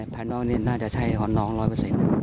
ภายนอกนี้น่าจะใช้ของน้องร้อยเปอร์สินค่ะ